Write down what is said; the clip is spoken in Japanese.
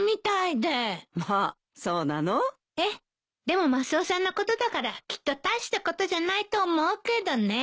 でもマスオさんのことだからきっと大したことじゃないと思うけどね。